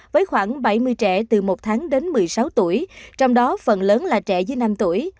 với khoảng bảy mươi trẻ từ một tháng đến một mươi sáu tuổi trong đó phần lớn là trẻ dưới năm tuổi